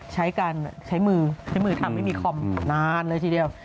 ใช้การใช้มือใช้มือทำให้มีคอมนานเลยทีเดียว